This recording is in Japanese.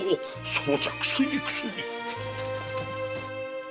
そうじゃ薬薬。